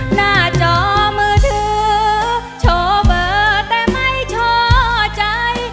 หน้าจอมือถือโชว์เบอร์แต่ไม่ช่อใจ